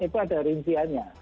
itu ada rinciannya